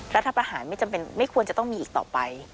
รัฐประหารไม่ควรจะต้องมีอีกต่อไป